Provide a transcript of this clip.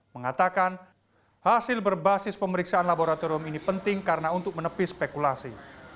mengatakan hasil berbasis pemeriksaan laboratorium ini penting karena untuk menepis spekulasi